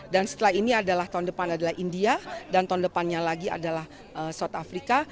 dan setelah ini adalah tahun depan adalah india dan tahun depannya lagi adalah south africa